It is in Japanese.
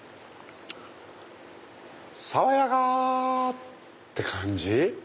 爽やか！って感じ。